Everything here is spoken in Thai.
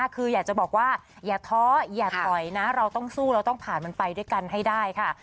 คืออยากจะบอกว่าอย่าท้ออย่าถอยนะเราต้องสู้เราต้องผ่านมันไปด้วยกันให้ได้ค่ะ